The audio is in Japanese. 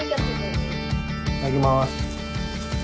いただきます。